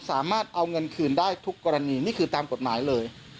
สามารถเอาเงินคืนได้ทุกกรณีนี่คือตามกฎหมายเลย